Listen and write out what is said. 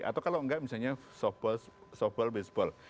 atau kalau enggak misalnya softball baseball